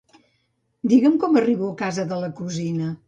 Digue'm com arribo a casa de la cosina.